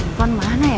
telepon mana ya